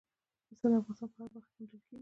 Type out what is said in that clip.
پسه د افغانستان په هره برخه کې موندل کېږي.